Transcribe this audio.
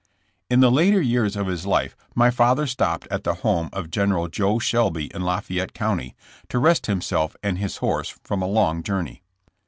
In the later years of his life my father stopped at the home of General Jo Shelby in Lafayette County, to rest himself and his horse from a long journey.